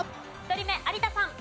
１人目有田さん。